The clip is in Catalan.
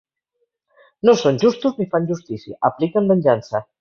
No són justos ni fan justícia, apliquen venjança.